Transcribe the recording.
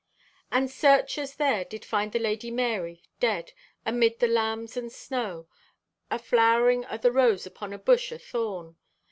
And searchers there did find the Lady Marye, dead, amid the lambs and snow—a flowering o' the rose upon a bush o' thorn.